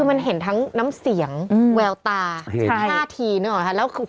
คือมันเห็นทั้งน้ำเสียงแววตาเห็นท่าทีนึกออกไหมคะ